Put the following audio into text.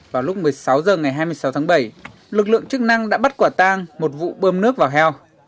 vào lúc một mươi sáu h ngày hai mươi sáu tháng bảy lực lượng chức năng đã bắt quả tang một vụ bơm nước vào heo